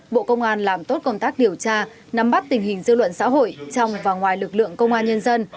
bộ công an làm tốt công tác điều tra nắm bắt tình hình dư luận xã hội trong và ngoài lực lượng công an nhân dân